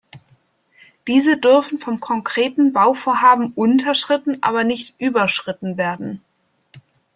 Diese dürfen vom konkreten Bauvorhaben unterschritten, aber nicht überschritten werden.